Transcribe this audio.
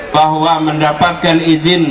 bahwa mendapatkan izin